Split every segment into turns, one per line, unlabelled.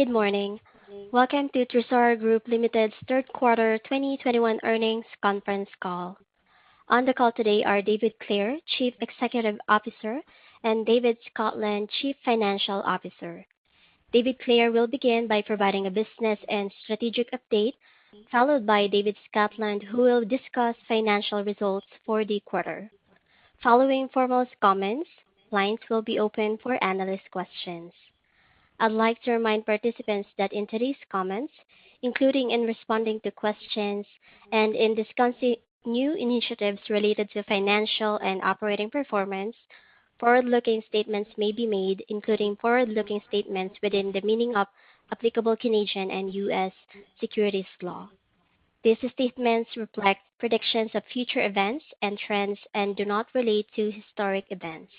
Good morning. Welcome to Trisura Group Limited's third quarter 2021 earnings conference call. On the call today are David Clare, Chief Executive Officer, and David Scotland, Chief Financial Officer. David Clare will begin by providing a business and strategic update, followed by David Scotland, who will discuss financial results for the quarter. Following formal comments, lines will be open for analyst questions. I'd like to remind participants that in today's comments, including in responding to questions and in discussing new initiatives related to financial and operating performance, forward-looking statements may be made, including forward-looking statements within the meaning of applicable Canadian and U.S. Securities Law. These statements reflect predictions of future events and trends and do not relate to historic events.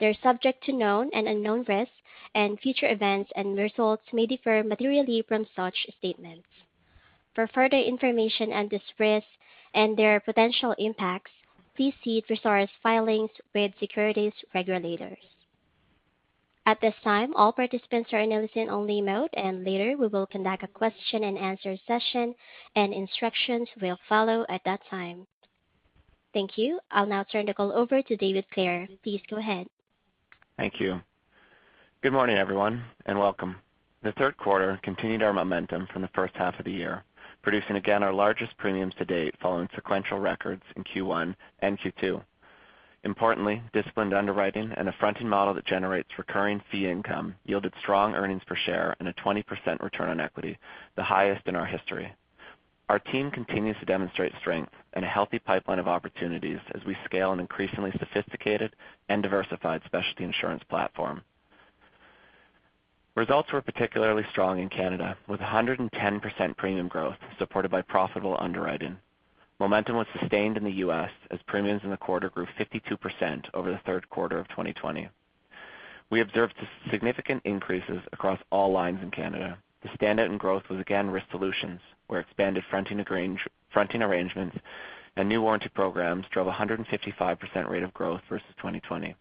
They are subject to known and unknown risks, and future events and results may differ materially from such statements. For further information on these risks and their potential impacts, please see Trisura's filings with Securities regulators. At this time, all participants are in listen-only mode, and later we will conduct a question-and-answer session, and instructions will follow at that time. Thank you. I'll now turn the call over to David Clare. Please go ahead.
Thank you. Good morning, everyone, and welcome. The third quarter continued our momentum from the first half of the year, producing again our largest premiums to date following sequential records in Q1 and Q2. Importantly, disciplined underwriting and a fronting model that generates recurring fee income yielded strong earnings per share and a 20% return on equity, the highest in our history. Our team continues to demonstrate strength and a healthy pipeline of opportunities as we scale an increasingly sophisticated and diversified specialty insurance platform. Results were particularly strong in Canada, with 110% premium growth supported by profitable underwriting. Momentum was sustained in the U.S. as premiums in the quarter grew 52% over the third quarter of 2020. We observed significant increases across all lines in Canada. The standout in growth was again Risk Solutions, where expanded fronting arrangements and new warranty programs drove 155% rate of growth versus 2020.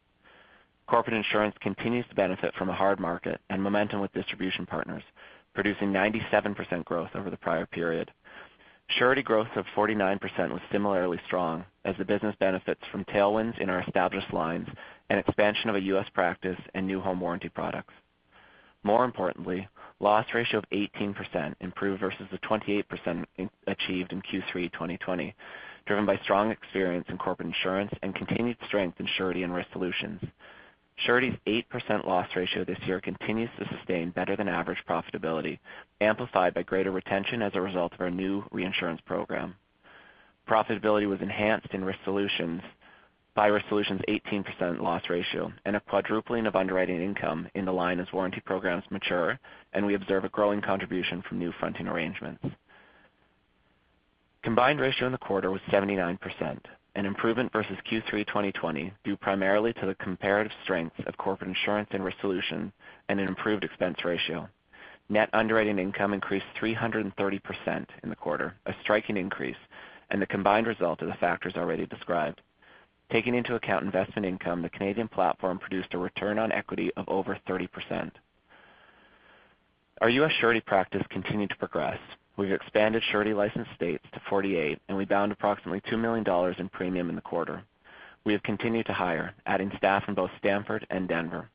Corporate Insurance continues to benefit from a hard market and momentum with distribution partners, producing 97% growth over the prior period. Surety growth of 49% was similarly strong as the business benefits from tailwinds in our established lines and expansion of a U.S. practice and new home warranty products. More importantly, loss ratio of 18% improved versus the 28% achieved in Q3 2020, driven by strong experience in Corporate Insurance and continued strength in Surety and Risk Solutions. Surety's 8% loss ratio this year continues to sustain better-than-average profitability, amplified by greater retention as a result of our new reinsurance program. Profitability was enhanced in Risk Solutions by Risk Solutions' 18% loss ratio and a quadrupling of underwriting income in the line as warranty programs mature, and we observe a growing contribution from new fronting arrangements. Combined ratio in the quarter was 79%, an improvement versus Q3 2020, due primarily to the comparative strengths of Corporate Insurance and Risk Solutions and an improved expense ratio. Net underwriting income increased 330% in the quarter, a striking increase, and the combined result of the factors already described. Taking into account investment income, the Canadian platform produced a return on equity of over 30%. Our U.S. surety practice continued to progress. We've expanded surety licensed states to 48, and we bound approximately 2 million dollars in premium in the quarter. We have continued to hire, adding staff in both Stamford and Denver.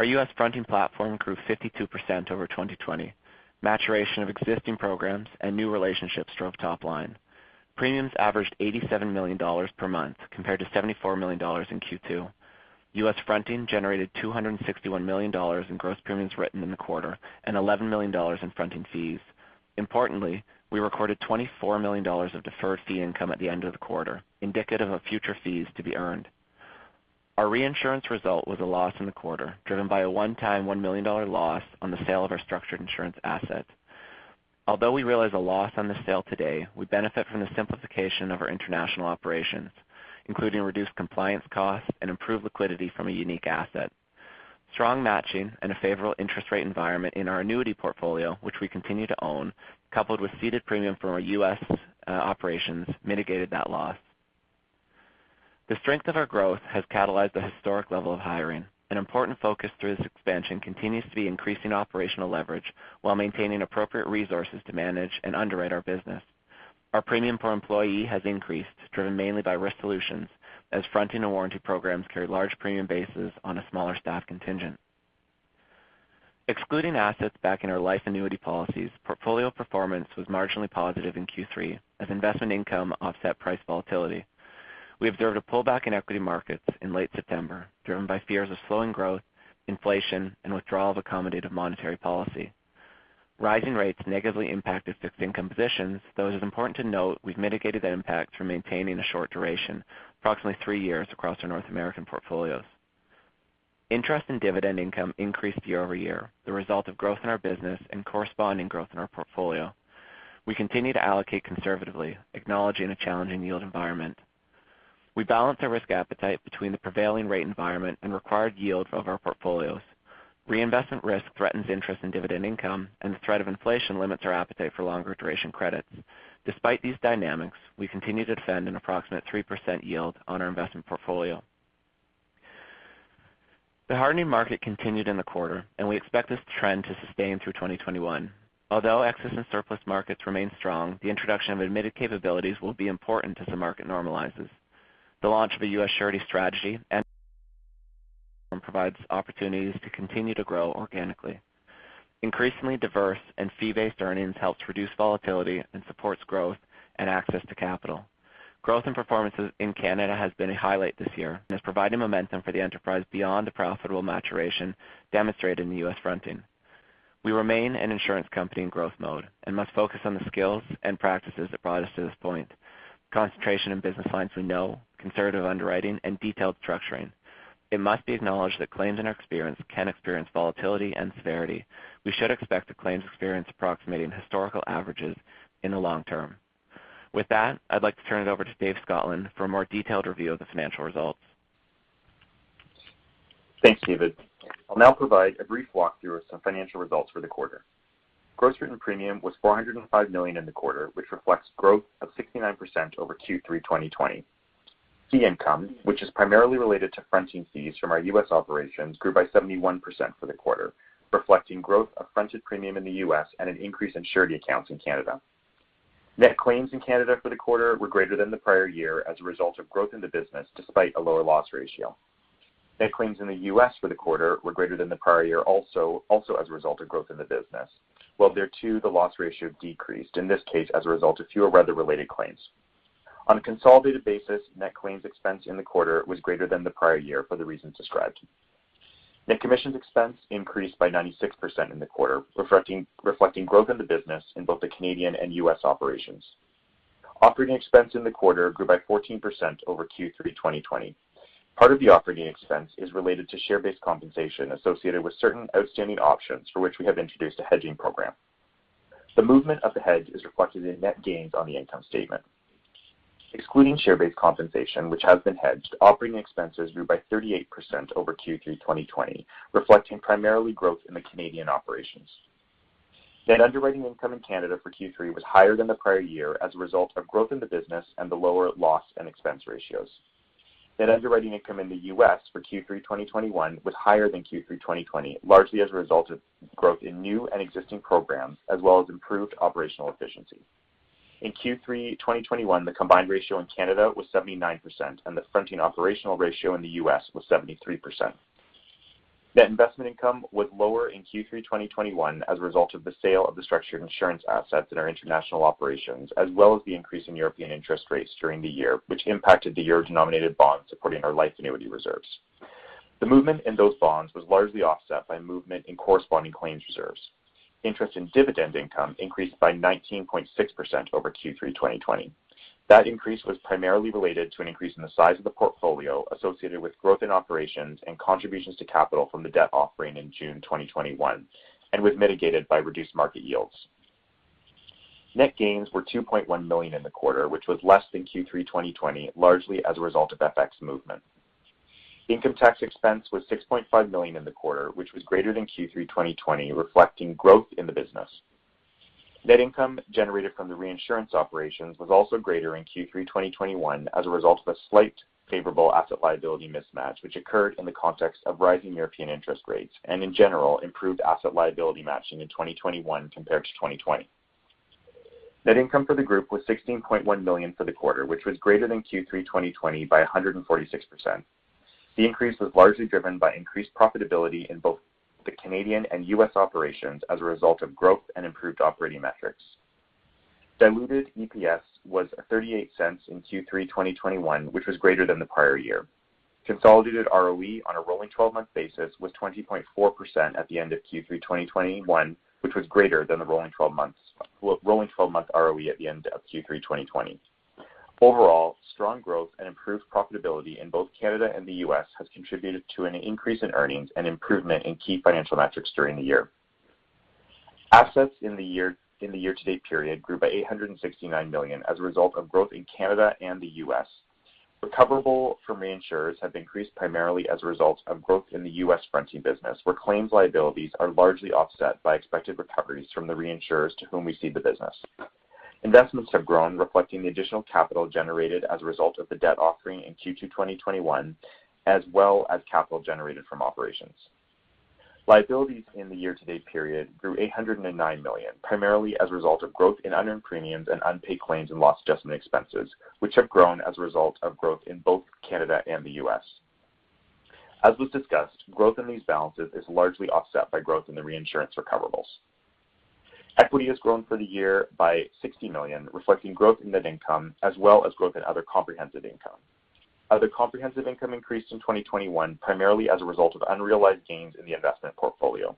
Our U.S. fronting platform grew 52% over 2020. Maturation of existing programs and new relationships drove top line. Premiums averaged 87 million dollars per month compared to 74 million dollars in Q2. U.S. fronting generated 261 million dollars in gross written premium in the quarter and 11 million dollars in fronting fees. Importantly, we recorded 24 million dollars of deferred fee income at the end of the quarter, indicative of future fees to be earned. Our reinsurance result was a loss in the quarter, driven by a one-time 1 million dollar loss on the sale of our structured insurance assets. Although we realized a loss on the sale today, we benefit from the simplification of our international operations, including reduced compliance costs and improved liquidity from a unique asset. Strong matching and a favorable interest rate environment in our annuity portfolio, which we continue to own, coupled with ceded premium from our U.S. operations, mitigated that loss. The strength of our growth has catalyzed a historic level of hiring. An important focus through this expansion continues to be increasing operational leverage while maintaining appropriate resources to manage and underwrite our business. Our premium per employee has increased, driven mainly by Risk Solutions, as fronting and warranty programs carry large premium bases on a smaller staff contingent. Excluding assets backing our life annuity policies, portfolio performance was marginally positive in Q3 as investment income offset price volatility. We observed a pullback in equity markets in late September, driven by fears of slowing growth, inflation, and withdrawal of accommodative monetary policy. Rising rates negatively impacted fixed income positions, though it is important to note we've mitigated that impact through maintaining a short duration, approximately three years across our North American portfolios. Interest and dividend income increased year-over-year, the result of growth in our business and corresponding growth in our portfolio. We continue to allocate conservatively, acknowledging a challenging yield environment. We balance our risk appetite between the prevailing rate environment and required yield of our portfolios. Reinvestment risk threatens interest in dividend income, and the threat of inflation limits our appetite for longer-duration credits. Despite these dynamics, we continue to defend an approximate 3% yield on our investment portfolio. The hardening market continued in the quarter, and we expect this trend to sustain through 2021. Although excess and surplus markets remain strong, the introduction of admitted capabilities will be important as the market normalizes. The launch of a U.S. surety strategy provides opportunities to continue to grow organically. Increasingly diverse and fee-based earnings helps reduce volatility and supports growth and access to capital. Growth and performances in Canada has been a highlight this year and has provided momentum for the enterprise beyond the profitable maturation demonstrated in the U.S. fronting. We remain an insurance company in growth mode and must focus on the skills and practices that brought us to this point. Concentration in business lines we know, conservative underwriting, and detailed structuring. It must be acknowledged that claims in our experience can experience volatility and severity. We should expect the claims experience approximating historical averages in the long term. With that, I'd like to turn it over to David Scotland for a more detailed review of the financial results.
Thanks, David. I'll now provide a brief walkthrough of some financial results for the quarter. Gross written premium was 405 million in the quarter, which reflects growth of 69% over Q3 2020. Fee income, which is primarily related to fronting fees from our U.S. operations, grew by 71% for the quarter, reflecting growth of fronted premium in the U.S. and an increase in surety accounts in Canada. Net claims in Canada for the quarter were greater than the prior year as a result of growth in the business despite a lower loss ratio. Net claims in the U.S. for the quarter were greater than the prior year also as a result of growth in the business. While there, too, the loss ratio decreased, in this case as a result of fewer weather-related claims. On a consolidated basis, net claims expense in the quarter was greater than the prior year for the reasons described. Net commissions expense increased by 96% in the quarter, reflecting growth in the business in both the Canadian and U.S. operations. Operating expense in the quarter grew by 14% over Q3 2020. Part of the operating expense is related to share-based compensation associated with certain outstanding options for which we have introduced a hedging program. The movement of the hedge is reflected in net gains on the income statement. Excluding share-based compensation, which has been hedged, operating expenses grew by 38% over Q3 2020, reflecting primarily growth in the Canadian operations. Net underwriting income in Canada for Q3 was higher than the prior year as a result of growth in the business and the lower loss and expense ratios. Net underwriting income in the U.S. for Q3 2021 was higher than Q3 2020, largely as a result of growth in new and existing programs, as well as improved operational efficiency. In Q3 2021, the combined ratio in Canada was 79%, and the fronting operational ratio in the U.S. was 73%. Net investment income was lower in Q3 2021 as a result of the sale of the structured insurance assets in our international operations, as well as the increase in European interest rates during the year, which impacted the euro-denominated bonds supporting our life annuity reserves. The movement in those bonds was largely offset by movement in corresponding claims reserves. Interest and dividend income increased by 19.6% over Q3 2020. That increase was primarily related to an increase in the size of the portfolio associated with growth in operations and contributions to capital from the debt-offering in June 2021 and was mitigated by reduced market yields. Net gains were 2.1 million in the quarter, which was less than Q3 2020, largely as a result of FX movement. Income tax expense was 6.5 million in the quarter, which was greater than Q3 2020, reflecting growth in the business. Net income generated from the reinsurance operations was also greater in Q3 2021 as a result of a slight favorable asset liability mismatch which occurred in the context of rising European interest rates and in general improved asset liability matching in 2021 compared to 2020. Net income for the group was CAD 16.1 million for the quarter, which was greater than Q3 2020 by 146%. The increase was largely driven by increased profitability in both the Canadian and U.S. operations as a result of growth and improved operating metrics. Diluted EPS was 0.38 in Q3 2021, which was greater than the prior year. Consolidated ROE on a rolling 12-month basis was 20.4% at the end of Q3 2021, which was greater than the 12-month ROE at the end of Q3 2020. Overall, strong growth and improved profitability in both Canada and the U.S. has contributed to an increase in earnings and improvement in key financial metrics during the year. Assets in the year, in the year-to-date period grew by 869 million as a result of growth in Canada and the U.S. Recoverables from reinsurers have increased primarily as a result of growth in the U.S. fronting business where claims liabilities are largely offset by expected recoveries from the reinsurers to whom we cede the business. Investments have grown reflecting the additional capital generated as a result of the debt offering in Q2 2021, as well as capital generated from operations. Liabilities in the year-to-date period grew 809 million, primarily as a result of growth in unearned premiums and unpaid claims and loss adjustment expenses, which have grown as a result of growth in both Canada and the U.S. As was discussed, growth in these balances is largely offset by growth in the reinsurance recoverables. Equity has grown for the year by CAD 60 million, reflecting growth in net income as well as growth in other comprehensive income. Other comprehensive income increased in 2021 primarily as a result of unrealized gains in the investment portfolio.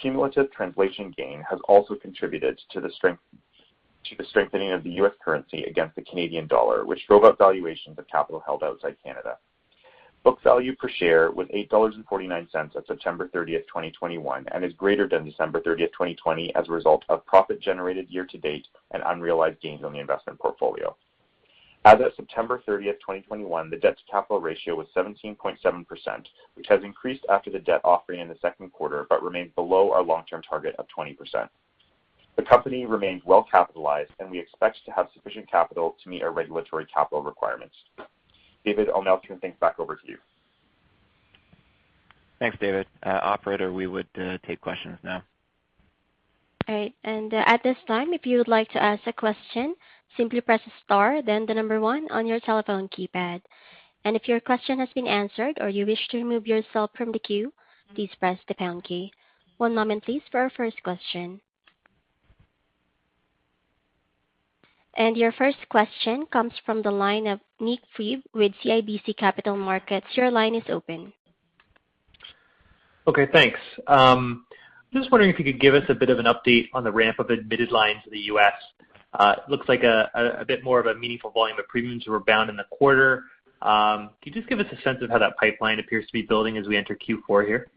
Cumulative translation gain has also contributed to the strengthening of the U.S. currency against the Canadian dollar which drove up valuations of capital held outside Canada. Book Value Per Share was 8.49 at September 30th, 2021, and is greater than December 30th, 2020 as a result of profit generated year-to-date and unrealized gains on the investment portfolio. As of September 30th, 2021, the debt-to-capital ratio was 17.7% which has increased after the debt-offering in the second quarter but remains below our long-term target of 20%. The company remains well capitalized, and we expect to have sufficient capital to meet our regulatory capital requirements. David, I'll now turn things back over to you.
Thanks, David. Operator, we would take questions now.
All right. At this time, if you would like to ask a question, simply press star then one on your telephone keypad. If your question has been answered or you wish to remove yourself from the queue, please press the pound key. One moment please for our first question. Your first question comes from the line of Nik Priebe with CIBC Capital Markets. Your line is open.
Okay. Thanks. Just wondering if you could give us a bit of an update on the ramp of admitted lines in the U.S. It looks like a bit more of a meaningful volume of premiums were bound in the quarter. Can you just give us a sense of how that pipeline appears to be building as we enter Q4 here?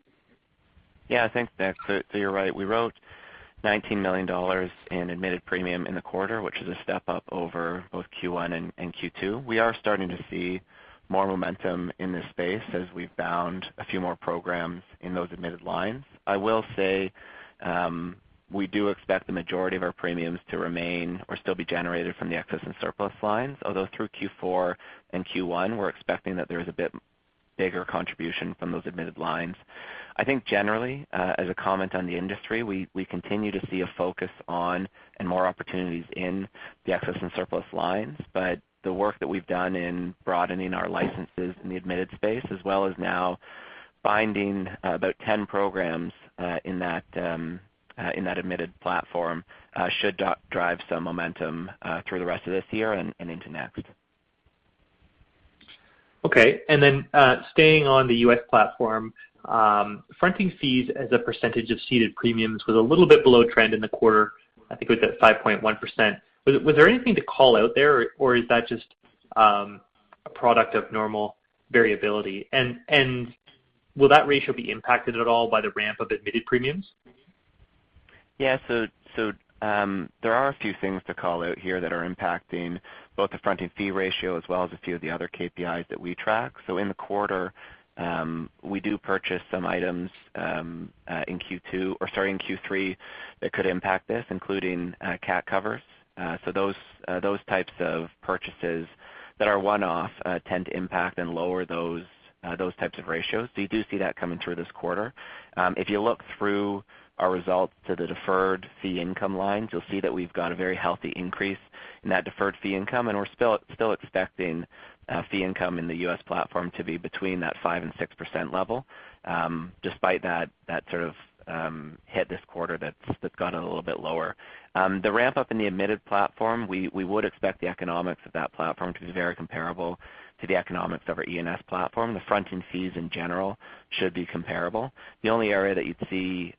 Yeah. Thanks, Nik. You're right. We wrote 19 million dollars in admitted premium in the quarter, which is a step up over both Q1 and Q2. We are starting to see more momentum in this space as we've bound a few more programs in those admitted lines. I will say, we do expect the majority of our premiums to remain or still be generated from the excess and surplus lines. Although through Q4 and Q1, we're expecting that there is a bit bigger contribution from those admitted lines. I think generally, as a comment on the industry, we continue to see a focus on and more opportunities in the excess and surplus lines. The work that we've done in broadening our licenses in the admitted space, as well as now binding about 10 programs in that admitted platform, should drive some momentum through the rest of this year and into next.
Okay, staying on the U.S. platform, fronting fees as a percentage of ceded premiums was a little bit below trend in the quarter. I think it was at 5.1%. Was there anything to call out there or is that just a product of normal variability? Will that ratio be impacted at all by the ramp of admitted premiums?
Yeah. There are a few things to call out here that are impacting both the fronting fee ratio as well as a few of the other KPIs that we track. In the quarter, we do purchase some items in Q3 that could impact this, including cat cover. Those types of purchases that are one-off tend to impact and lower those types of ratios. You do see that coming through this quarter. If you look through our results to the deferred fee income lines, you'll see that we've got a very healthy increase in that deferred fee income, and we're still expecting fee income in the U.S. platform to be between that 5%-6% level, despite that sort of hit this quarter that's gone a little bit lower. The ramp up in the admitted platform, we would expect the economics of that platform to be very comparable to the economics of our E&S platform. The fronting fees in general should be comparable. The only area that you'd see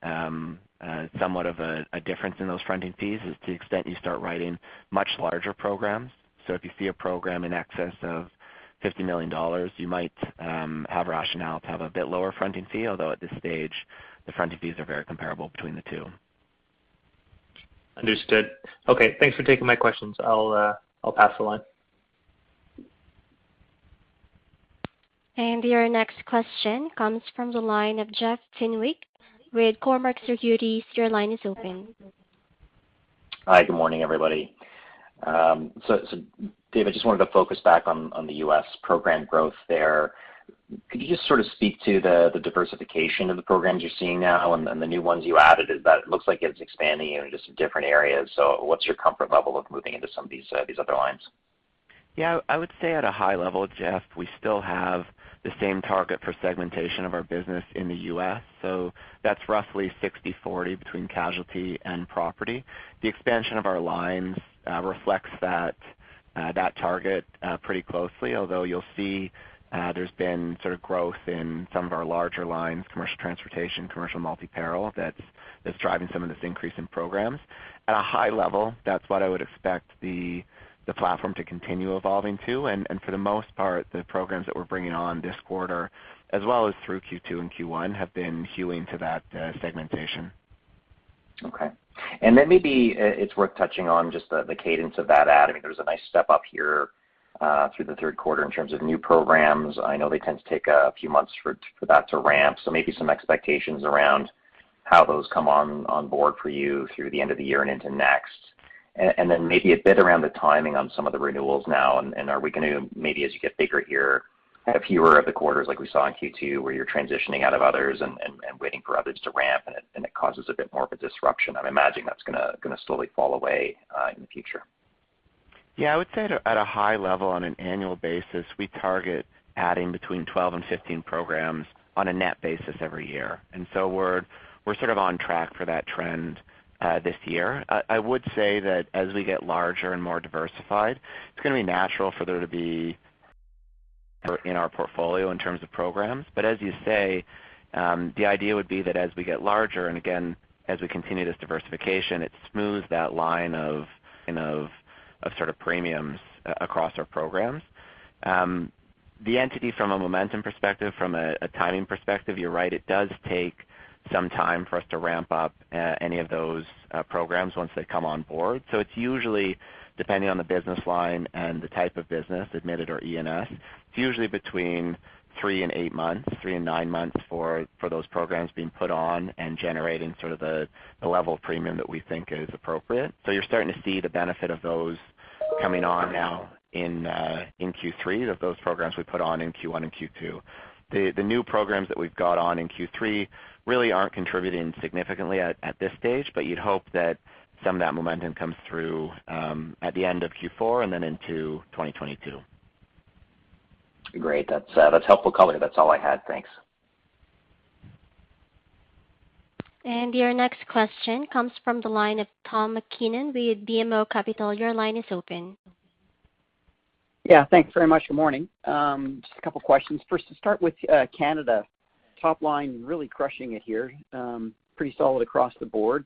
somewhat of a difference in those fronting fees is to the extent you start writing much larger programs. If you see a program in excess of 50 million dollars, you might have rationale to have a bit lower fronting fee, although at this stage, the fronting fees are very comparable between the two.
Understood. Okay, thanks for taking my questions. I'll pass the line.
Your next question comes from the line of Jeff Fenwick with Cormark Securities. Your line is open.
Hi, good morning, everybody. David, just wanted to focus back on the U.S. program growth there. Could you just sort of speak to the diversification of the programs you're seeing now and the new ones you added? Is that it looks like it's expanding into some different areas. What's your comfort level of moving into some of these other lines?
Yeah. I would say at a high level, Jeff, we still have the same target for segmentation of our business in the U.S. That's roughly 60/40 between casualty and property. The expansion of our lines reflects that target pretty closely. Although you'll see, there's been sort of growth in some of our larger lines, commercial transportation, commercial multi-peril, that's driving some of this increase in programs. At a high level, that's what I would expect the platform to continue evolving to. For the most part, the programs that we're bringing on this quarter, as well as through Q2 and Q1, have been hewing to that segmentation.
Okay. Then maybe it's worth touching on just the cadence of that add. I mean, there was a nice step up here through the third quarter in terms of new programs. I know they tend to take a few months for that to ramp. So maybe some expectations around how those come on board for you through the end of the year and into next. Then maybe a bit around the timing on some of the renewals now, and are we gonna maybe as you get bigger here, have fewer of the quarters like we saw in Q2, where you're transitioning out of others and waiting for others to ramp, and it causes a bit more of a disruption. I'm imagining that's gonna slowly fall away in the future.
I would say at a high level on an annual basis, we target adding between 12 and 15 programs on a net basis every year. We're sort of on track for that trend this year. I would say that as we get larger and more diversified, it's gonna be natural for there to be in our portfolio in terms of programs. As you say, the idea would be that as we get larger, and again, as we continue this diversification, it smooths that line of sort of premiums across our programs. The intensity from a momentum perspective, from a timing perspective, you're right, it does take some time for us to ramp up any of those programs once they come on board. It's usually depending on the business line and the type of business, admitted or E&S. It's usually between three and eight months, three and nine months for those programs being put on and generating sort of the level of premium that we think is appropriate. You're starting to see the benefit of those coming on now in Q3 of those programs we put on in Q1 and Q2. The new programs that we've got on in Q3 really aren't contributing significantly at this stage, but you'd hope that some of that momentum comes through at the end of Q4 and then into 2022.
Great. That's helpful color. That's all I had. Thanks.
Your next question comes from the line of Tom MacKinnon with BMO Capital. Your line is open.
Yeah, thanks very much. Good morning. Just a couple questions. First, to start with, Canada, top line really crushing it here, pretty solid across the board.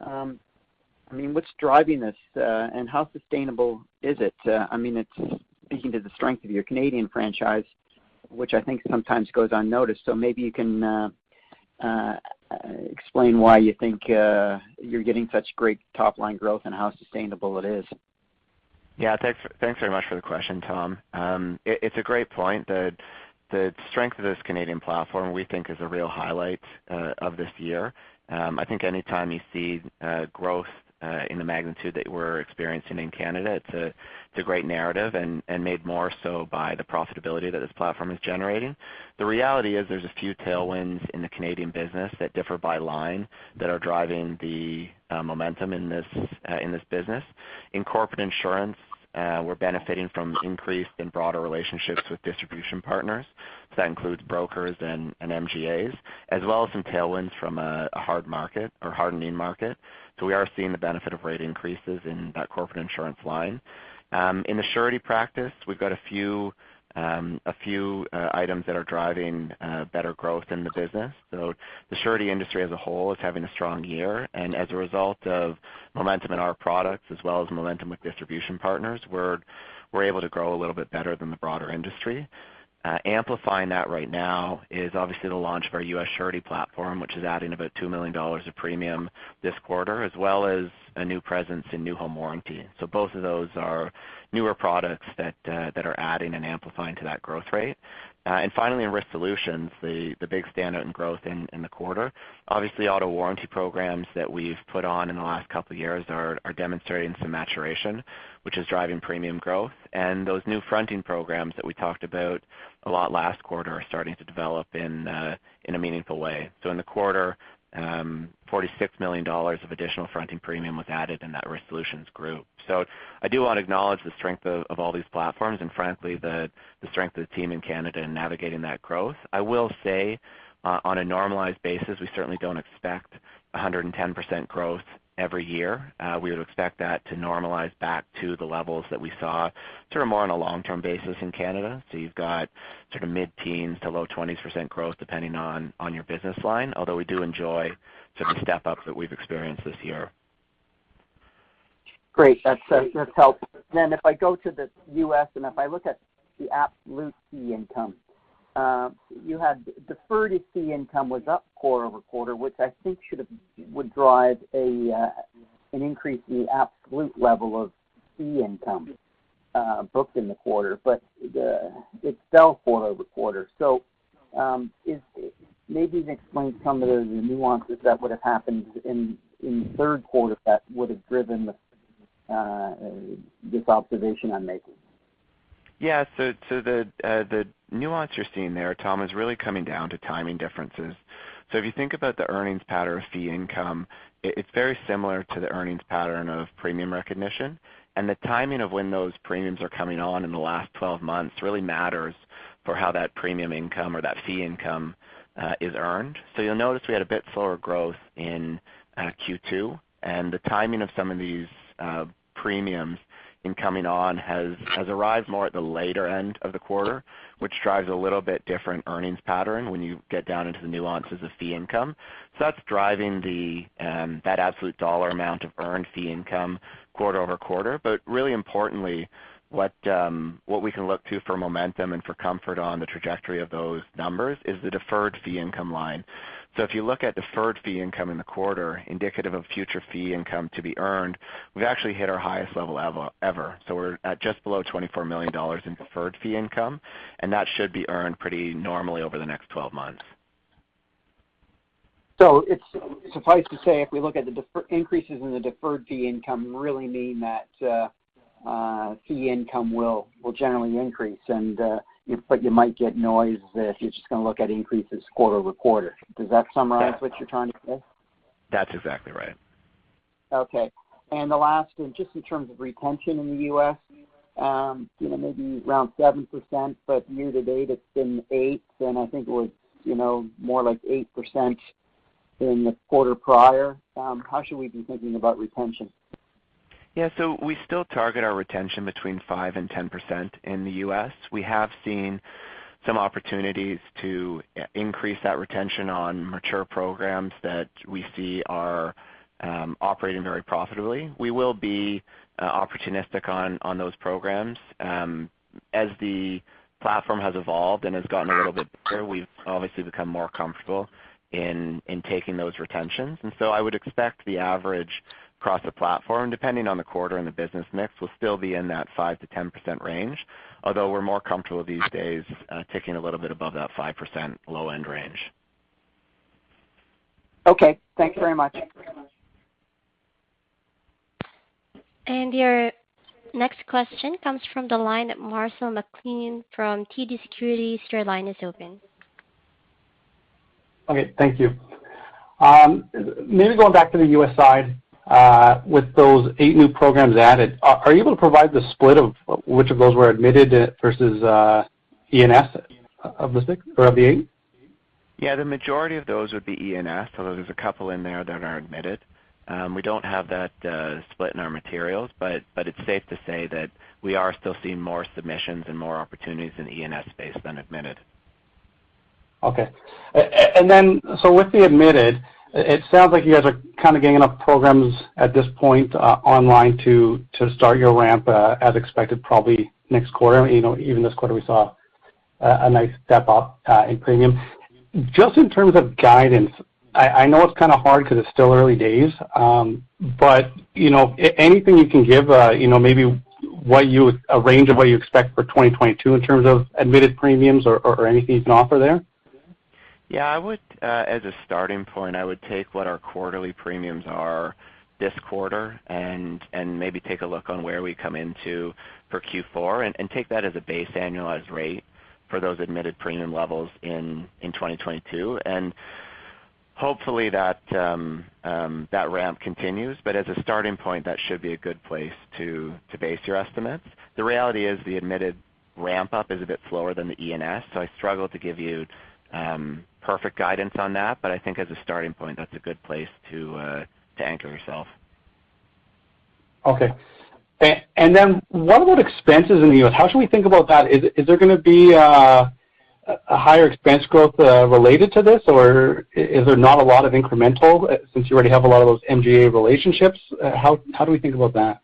I mean, what's driving this, and how sustainable is it? I mean, it's speaking to the strength of your Canadian franchise, which I think sometimes goes unnoticed. Maybe you can explain why you think you're getting such great top-line growth and how sustainable it is.
Thanks very much for the question, Tom. It's a great point. The strength of this Canadian platform, we think is a real highlight of this year. I think anytime you see growth in the magnitude that we're experiencing in Canada, it's a great narrative and made more so by the profitability that this platform is generating. The reality is there's a few tailwinds in the Canadian business that differ by line that are driving the momentum in this business. In Corporate Insurance, we're benefiting from increased and broader relationships with distribution partners. That includes brokers and MGAs, as well as some tailwinds from a hard market or hardening market. We are seeing the benefit of rate increases in that Corporate Insurance line. In the surety practice, we've got a few items that are driving better growth in the business. The surety industry as a whole is having a strong year. As a result of momentum in our products as well as momentum with distribution partners, we're able to grow a little bit better than the broader industry. Amplifying that right now is obviously the launch of our U.S. surety platform, which is adding about 2 million dollars of premium this quarter, as well as a new presence in new home warranty. Both of those are newer products that are adding and amplifying to that growth rate. Finally, in Risk Solutions, the big standout in growth in the quarter, obviously Auto Warranty programs that we've put on in the last couple of years are demonstrating some maturation, which is driving premium growth. Those new fronting programs that we talked about a lot last quarter are starting to develop in a meaningful way. In the quarter, 46 million dollars of additional fronting premium was added in that Risk Solutions group. I do want to acknowledge the strength of all these platforms, and frankly, the strength of the team in Canada in navigating that growth. I will say, on a normalized basis, we certainly don't expect 110% growth every year. We would expect that to normalize back to the levels that we saw sort of more on a long-term basis in Canada. You've got sort of mid-teens to low twenties percent growth depending on your business line. Although we do enjoy sort of step-ups that we've experienced this year.
Great. That's helpful. If I go to the U.S., and if I look at the absolute fee income, you had deferred fee income was up quarter-over-quarter, which I think would drive an increase in the absolute level of fee income booked in the quarter. It fell quarter-over-quarter. Maybe explain some of the nuances that would have happened in the third quarter that would have driven this observation I'm making?
The nuance you're seeing there, Tom, is really coming down to timing differences. If you think about the earnings pattern of fee income, it's very similar to the earnings pattern of premium recognition. The timing of when those premiums are coming on in the last 12 months really matters for how that premium income or that fee income is earned. You'll notice we had a bit slower growth in Q2, and the timing of some of these premiums in coming on has arrived more at the later end of the quarter, which drives a little bit different earnings pattern when you get down into the nuances of fee income. That's driving that absolute dollar amount of earned fee income quarter-over-quarter. Really importantly, what we can look to for momentum and for comfort on the trajectory of those numbers is the deferred fee income line. If you look at deferred fee income in the quarter, indicative of future fee income to be earned, we've actually hit our highest level ever. We're at just below 24 million dollars in deferred fee income, and that should be earned pretty normally over the next 12 months.
It suffices to say, if we look at the increases in the deferred fee income really mean that, fee income will generally increase and, but you might get noise if you're just gonna look at increases quarter-over-quarter. Does that summarize what you're trying to say?
That's exactly right.
Okay. The last one, just in terms of retention in the U.S., you know, maybe around 7%, but year to date it's been 8%, and I think it was, you know, more like 8% in the quarter prior. How should we be thinking about retention?
We still target our retention between 5%-10% in the U.S. We have seen some opportunities to increase that retention on mature programs that we see are operating very profitably. We will be opportunistic on those programs. As the platform has evolved and has gotten a little bit better, we've obviously become more comfortable in taking those retentions. I would expect the average across the platform, depending on the quarter and the business mix, will still be in that 5%-10% range. Although we're more comfortable these days, ticking a little bit above that 5% low-end range.
Okay. Thanks very much.
Your next question comes from the line of Marcel McLean from TD Securities. Your line is open.
Okay, thank you. Maybe going back to the U.S. side, with those eight new programs added, are you able to provide the split of which of those were admitted versus E&S of the six or of the eight?
Yeah, the majority of those would be E&S, although there's a couple in there that are admitted. We don't have that split in our materials, but it's safe to say that we are still seeing more submissions and more opportunities in E&S space than admitted.
Okay. With the admitted, it sounds like you guys are kind of getting enough programs at this point online to start your ramp as expected probably next quarter. You know, even this quarter, we saw a nice step up in premium. Just in terms of guidance, I know it's kind of hard because it's still early days, but you know, anything you can give, you know, maybe a range of what you expect for 2022 in terms of admitted premiums or anything you can offer there?
Yeah, I would, as a starting point, I would take what our quarterly premiums are this quarter and maybe take a look at where we come into for Q4 and take that as a base annualized rate for those admitted premium levels in 2022. Hopefully that ramp continues. As a starting point, that should be a good place to base your estimates. The reality is the admitted ramp up is a bit slower than the E&S, so I struggle to give you perfect guidance on that. I think as a starting point, that's a good place to anchor yourself.
Okay. What about expenses in the U.S.? How should we think about that? Is there gonna be a higher expense growth related to this, or is there not a lot of incremental since you already have a lot of those MGA relationships? How do we think about that?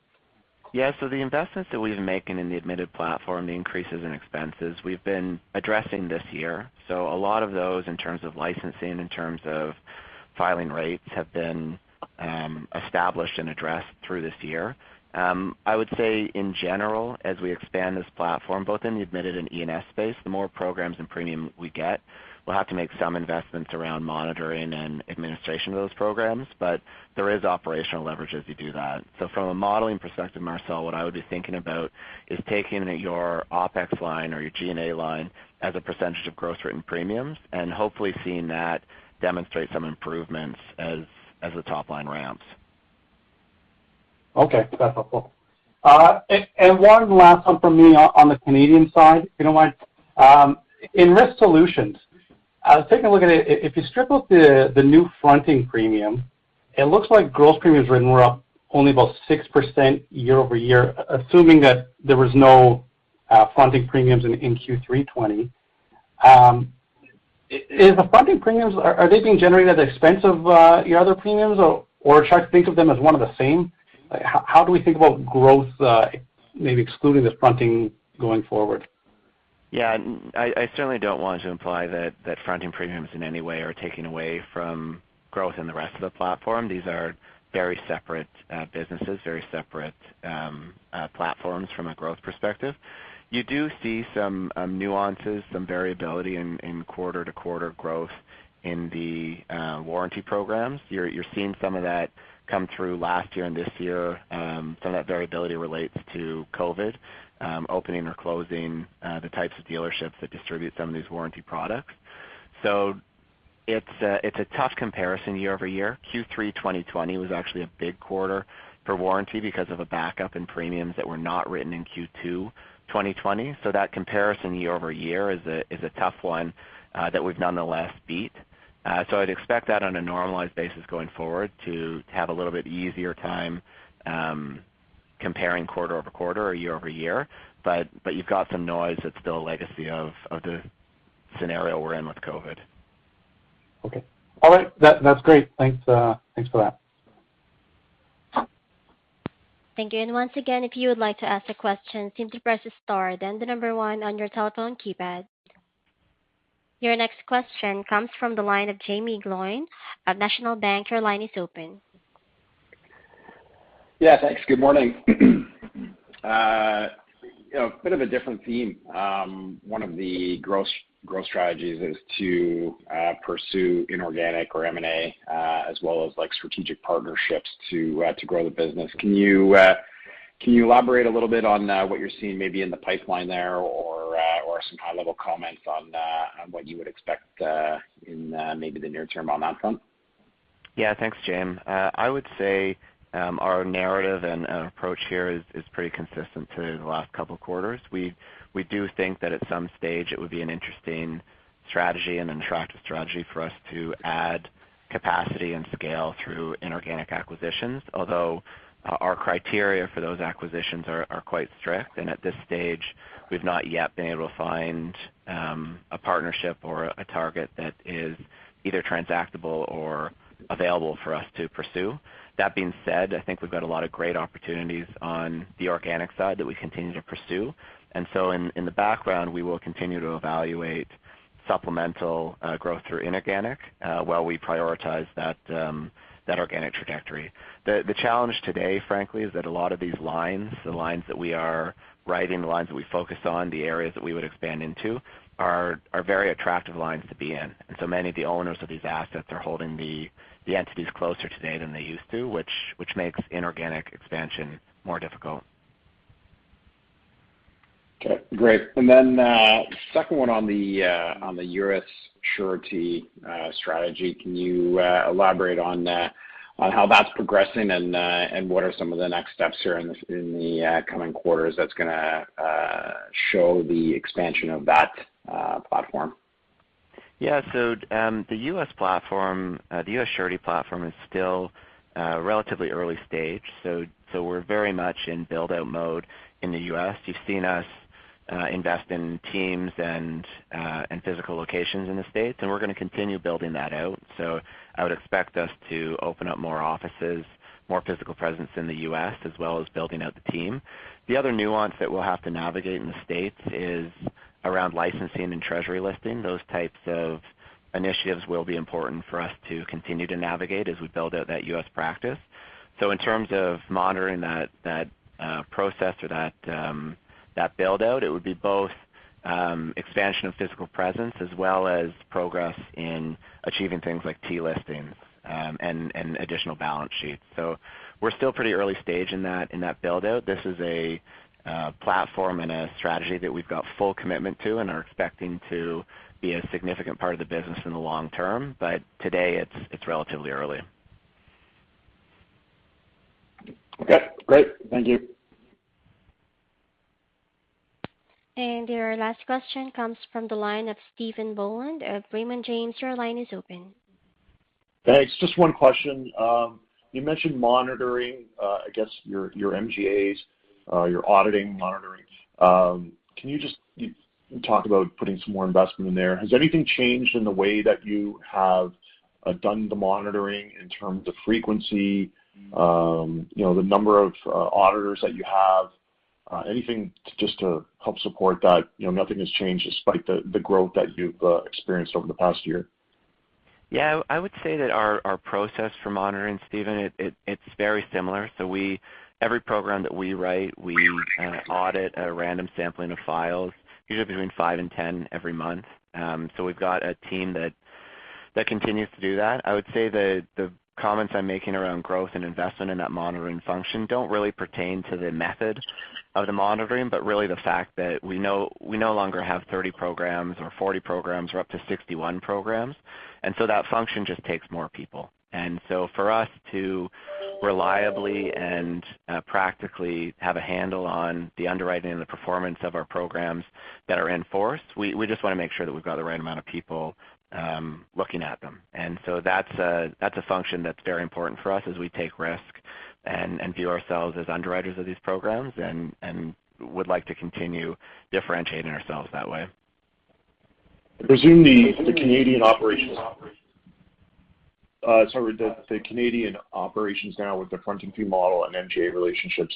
Yeah, the investments that we've been making in the admitted platform, the increases in expenses we've been addressing this year. A lot of those in terms of licensing, in terms of filing rates, have been established and addressed through this year. I would say in general, as we expand this platform both in the admitted and E&S space, the more programs and premium we get, we'll have to make some investments around monitoring and administration of those programs. But there is operational leverage as you do that. From a modeling perspective, Marcel, what I would be thinking about is taking your OpEx line or your G&A line as a percentage of gross written premiums and hopefully seeing that demonstrate some improvements as the top line ramps.
Okay, that's helpful. One last one from me on the Canadian side, if you don't mind. In Risk Solutions, taking a look at it, if you strip out the new fronting premium, it looks like gross premiums written were up only about 6% year-over-year, assuming that there was no fronting premiums in Q3 2020. Are the fronting premiums being generated at the expense of your other premiums or should I think of them as one and the same? How do we think about growth, maybe excluding this fronting going forward?
Yeah. I certainly don't want to imply that fronting premiums in any way are taking away from growth in the rest of the platform. These are very separate businesses, very separate platforms from a growth perspective. You do see some nuances, some variability in quarter-to-quarter growth in the warranty programs. You're seeing some of that come through last year and this year. Some of that variability relates to COVID, opening or closing the types of dealerships that distribute some of these warranty products. It's a tough comparison year-over-year. Q3 2020 was actually a big quarter for warranty because of a backup in premiums that were not written in Q2 2020. That comparison year-over-year is a tough one that we've nonetheless beat. I'd expect that on a normalized basis going forward to have a little bit easier time comparing quarter-over-quarter or year-over-year. But you've got some noise that's still a legacy of the scenario we're in with COVID.
Okay. All right. That's great. Thanks for that.
Thank you. Once again, if you would like to ask a question, simply press star then the number one on your telephone keypad. Your next question comes from the line of Jaeme Gloyn of National Bank. Your line is open.
Yeah, thanks. Good morning. You know, a bit of a different theme. One of the growth strategies is to pursue inorganic or M&A, as well as like strategic partnerships to grow the business. Can you elaborate a little bit on what you're seeing maybe in the pipeline there or some high-level comments on what you would expect in maybe the near term on that front?
Yeah. Thanks, Jaeme. I would say our narrative and approach here is pretty consistent to the last couple of quarters. We do think that at some stage it would be an interesting strategy and an attractive strategy for us to add capacity and scale through inorganic acquisitions. Although our criteria for those acquisitions are quite strict, and at this stage, we've not yet been able to find a partnership or a target that is either transactable or available for us to pursue. That being said, I think we've got a lot of great opportunities on the organic side that we continue to pursue. In the background, we will continue to evaluate supplemental growth through inorganic while we prioritize that organic trajectory. The challenge today, frankly, is that a lot of these lines, the lines that we are writing, the lines that we focus on, the areas that we would expand into are very attractive lines to be in. Many of the owners of these assets are holding the entities closer today than they used to, which makes inorganic expansion more difficult.
Okay. Great. Second one on the U.S. Surety Strategy. Can you elaborate on how that's progressing and what are some of the next steps here in the coming quarters that's gonna show the expansion of that platform?
Yeah. The U.S. platform, the U.S. surety platform is still relatively early stage. We're very much in build-out mode in the U.S. You've seen us invest in teams and physical locations in the States, and we're gonna continue building that out. I would expect us to open up more offices, more physical presence in the U.S., as well as building out the team. The other nuance that we'll have to navigate in the States is around Licensing and Treasury listing. Those types of initiatives will be important for us to continue to navigate as we build out that U.S. practice. In terms of monitoring that process or that build-out, it would be both expansion of physical presence as well as progress in achieving things like T-listings and additional balance sheets. We're still pretty early stage in that build-out. This is a platform and a strategy that we've got full commitment to and are expecting to be a significant part of the business in the long term. Today it's relatively early.
Okay, great. Thank you.
Your last question comes from the line of Stephen Boland of Raymond James. Your line is open.
Thanks. Just one question. You mentioned monitoring, I guess your MGAs, your auditing monitoring. Can you just talk about putting some more investment in there? Has anything changed in the way that you have done the monitoring in terms of frequency, you know, the number of auditors that you have? Anything just to help support that, you know, nothing has changed despite the growth that you've experienced over the past year.
Yeah. I would say that our process for monitoring, Stephen, it's very similar. Every program that we write, we audit a random sampling of files, usually between five and 10 every month. We've got a team that continues to do that. I would say the comments I'm making around growth and investment in that monitoring function don't really pertain to the method of the monitoring, but really the fact that we no longer have 30 programs or 40 programs, we're up to 61 programs. That function just takes more people. For us to reliably and practically have a handle on the underwriting and the performance of our programs that are in force, we just wanna make sure that we've got the right amount of people looking at them. That's a function that's very important for us as we take risk and view ourselves as underwriters of these programs and would like to continue differentiating ourselves that way.
The Canadian operations now with the fronting fee model and MGA relationships,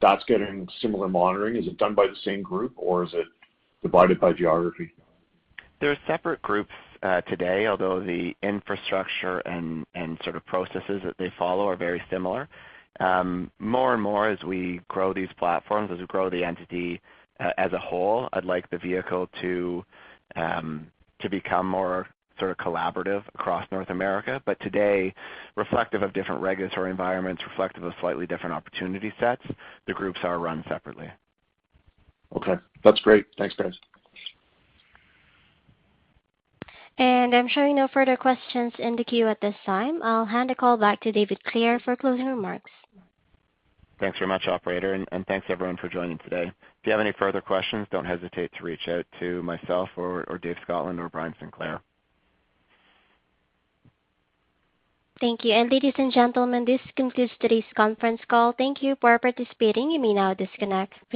that's getting similar monitoring. Is it done by the same group or is it divided by geography?
They're separate groups today, although the infrastructure and sort of processes that they follow are very similar. More and more as we grow these platforms, as we grow the entity as a whole, I'd like the vehicle to become more sort of collaborative across North America. Today, reflective of different regulatory environments, reflective of slightly different opportunity sets, the groups are run separately.
Okay. That's great. Thanks, guys.
I'm showing no further questions in the queue at this time. I'll hand the call back to David Clare for closing remarks.
Thanks very much, operator, and thanks everyone for joining today. If you have any further questions, don't hesitate to reach out to myself or Dave Scotland or Bryan Sinclair.
Thank you. Ladies and gentlemen, this concludes today's conference call. Thank you for participating. You may now disconnect.